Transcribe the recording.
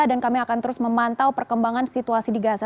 dan kami akan terus memantau perkembangan situasi di gaza